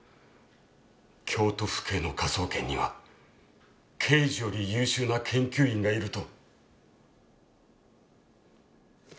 京都府警の科捜研には刑事より優秀な研究員がいると。